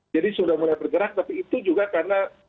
jadi sudah mulai bergerak tapi itu juga karena